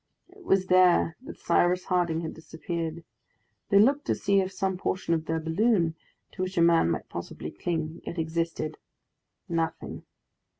It was there that Cyrus Harding had disappeared. They looked to see if some portion of their balloon, to which a man might possibly cling, yet existed. Nothing!